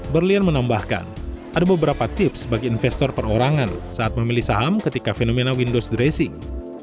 berlian menambahkan ada beberapa tips bagi investor perorangan saat memilih saham ketika fenomena windows dressing